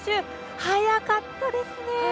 速かったですね。